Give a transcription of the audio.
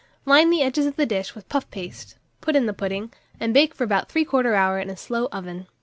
Line the edges of the dish with puff paste, put in the pudding, and bake for about 3/4 hour in a slow oven.